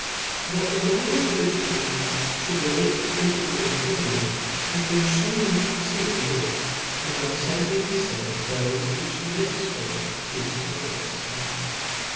Book /|^ HAT the laws of education ought to Chap. !• I relative to the principle of each govern *^*•"• ment, has been Ihewn in the preceding book. • Now the fame may be faid of thofe which the legiflator gives to the whole fociety.